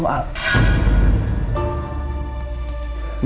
udah kaya gini